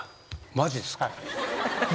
マジっすか。